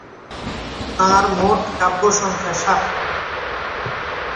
তাঁর মোট কাব্যসংখ্যা সাত।